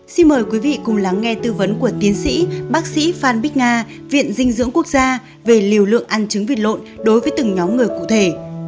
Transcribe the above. xin mời quý vị cùng lắng nghe tư vấn của tiến sĩ bác sĩ phan bích nga viện dinh dưỡng quốc gia về liều lượng ăn trứng vịt lộn đối với từng nhóm người cụ thể